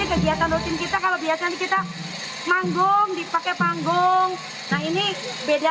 kegiatan rutin kita kalau biasanya kita manggung dipakai panggung nah ini beda